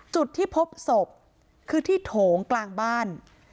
จุดที่พบศพคือที่โถงกลางบ้าน